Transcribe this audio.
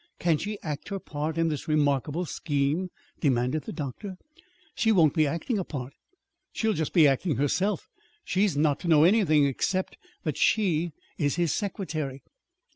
Can she act her part in this remarkable scheme?" demanded the doctor. "She won't be acting a part. She'll just be acting herself. She is not to know anything except that she is his secretary."